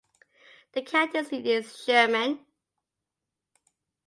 The county seat is Sherman.